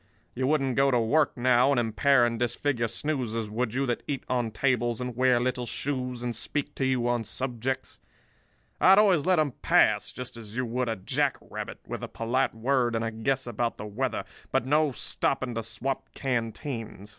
You wouldn't go to work now, and impair and disfigure snoozers, would you, that eat on tables and wear little shoes and speak to you on subjects? I had always let 'em pass, just as you would a jack rabbit; with a polite word and a guess about the weather, but no stopping to swap canteens.